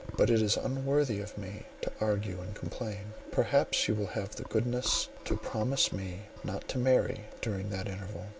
But it is unworthy of me to argue and complain. Perhaps you will have the goodness to promise me not to marry during that interval?"